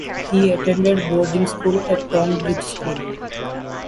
He attended boarding school at Tonbridge School.